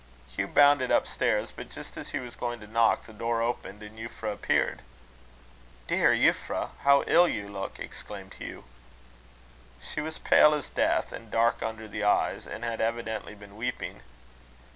Hugh bounded up stairs; but, just as he was going to knock, the door opened, and Euphra appeared. "Dear Euphra! how ill you look!" exclaimed Hugh. She was pale as death, and dark under the eyes; and had evidently been weeping.